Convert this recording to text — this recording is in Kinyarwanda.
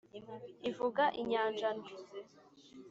ivuga inyanja ndwi,